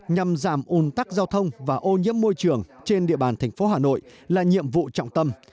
nhằm giảm ùn tắc giao thông và ô nhiễm môi trường trên địa bàn tp hà nội là nhiệm vụ trọng tâm